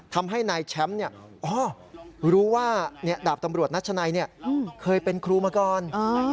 ทำให้นายแชมป์รู้ว่าดาบตำรวจนัชนัยเคยเป็นครูมาก่อน